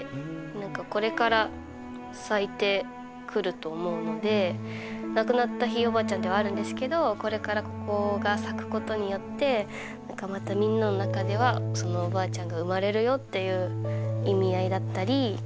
何かこれから咲いてくると思うので亡くなったひいおばあちゃんではあるんですけどこれからここが咲くことによって何かまたみんなの中ではおばあちゃんが生まれるよっていう意味合いだったり。